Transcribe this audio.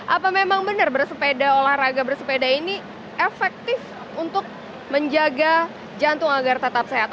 apa memang benar bersepeda olahraga bersepeda ini efektif untuk menjaga jantung agar tetap sehat